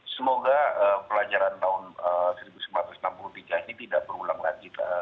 semoga pelajaran tahun seribu sembilan ratus enam puluh tiga ini tidak berulang lagi